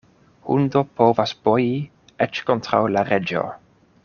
Hundo povas boji eĉ kontraŭ la reĝo.